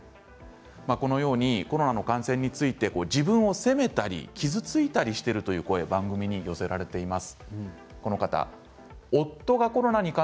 このようにコロナの感染について自分を責めたり傷ついたりしているという声が番組に寄せられています。